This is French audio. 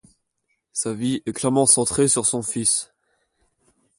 Sa vie est clairement centrée sur son fils.